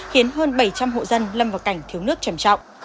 khiến hơn bảy trăm linh hộ dân lâm vào cảnh thiếu nước trầm trọng